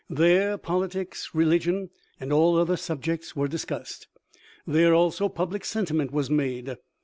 There politics, religion, and all other subjects were dis cussed. There also public sentiment was made.